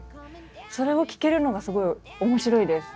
それを聞けるのがすごい面白いです。